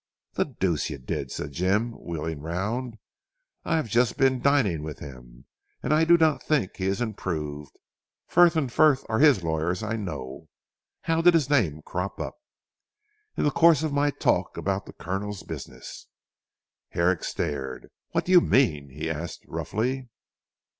"The deuce you did!" said Jim wheeling round. "I have just been dining with him, and I do not think he is improved. Frith and Frith are his lawyers I know. How did his name crop up?" "In the course of my talk about the Colonel's business." Herrick stared. "What do you mean?" he asked roughly.